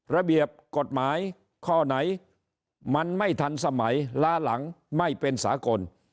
ระเบียบกฎหมายข้อไหนมันไม่ทันสมัยล้าหลังไม่เป็นสากล